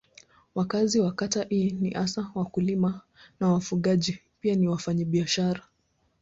Wakazi wa kata hii ni hasa wakulima na wafugaji pia ni wafanyabiashara.